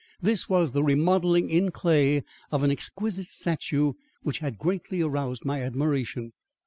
This was the remodelling in clay of an exquisite statue which had greatly aroused my admiration.